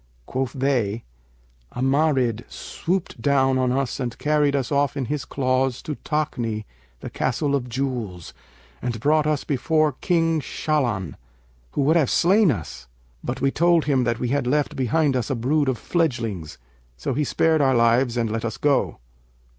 Quoth they: 'A Marid swooped down on us and carried us off in his claws to Takni, the Castle of Jewels, and brought us before King Shahlan, who would have slain us; but we told him that we had left behind us a brood of fledgelings; so he spared our lives and let us go.